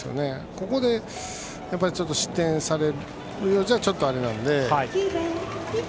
ここで失点するようじゃちょっと、あれなので。